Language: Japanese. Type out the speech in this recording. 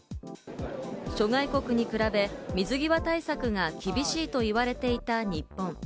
諸外国に比べ、水際対策が厳しいと言われていた日本。